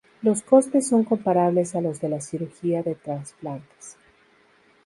Los costes son comparables a los de la cirugía de trasplantes.